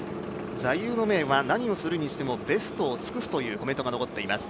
座右の銘は何をするにしてもベストを尽くすというコメントが残っています。